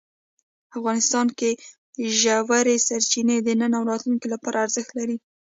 افغانستان کې ژورې سرچینې د نن او راتلونکي لپاره ارزښت لري.